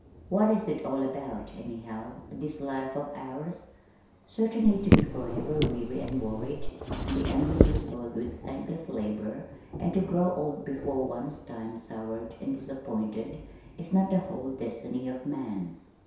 What is it all about, anyhow, this life of ours? Certainly to be forever weary and worried, to be endlessly soiled with thankless labor and to grow old before one's time soured and disappointed, is not the whole destiny of man!